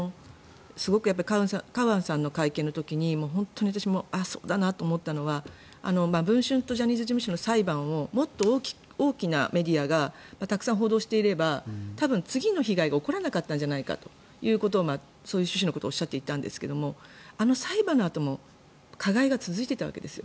すごくカウアンさんの会見の時に本当に私もああ、そうだなと思ったのは「文春」とジャニーズ事務所の裁判をもっと大きなメディアがたくさん報道していれば多分、次の被害が起こらなかったんじゃないかということをそういう趣旨のことをおっしゃっていたんですがあの裁判のあとも加害が続いていたわけですよ。